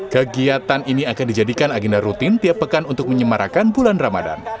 kegiatan ini akan dijadikan agenda rutin tiap pekan untuk menyemarakan bulan ramadan